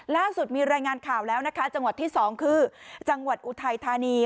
ล่าสุดมีรายงานข่าวแล้วนะคะจังหวัดที่๒คือจังหวัดอุทัยธานี